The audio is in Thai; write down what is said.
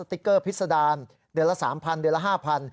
ติ๊กเกอร์พิษดารเดือนละ๓๐๐เดือนละ๕๐๐